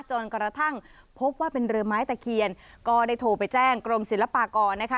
จนกระทั่งพบว่าเป็นเรือไม้ตะเคียนก็ได้โทรไปแจ้งกรมศิลปากรนะคะ